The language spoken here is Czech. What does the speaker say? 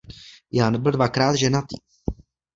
Jan byl dvakrát ženatý.